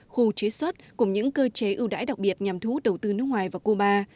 khu chế xuất cùng những cơ chế ưu đãi đặc biệt nhằm thú đầu tư nước ngoài và cuba